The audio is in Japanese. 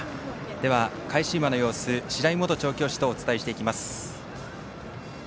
では、返し馬の様子白井元調教師とお伝えしていきます。